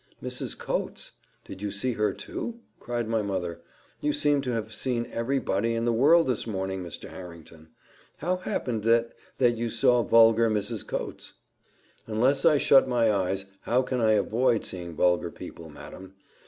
"Mrs. Coates! did you see her too?" cried my mother: "you seem to have seen every body in the world this morning, Mr. Harrington. How happened it that you saw vulgar Mrs. Coates?" "Unless I shut my eyes, how can I avoid seeing vulgar people, madam?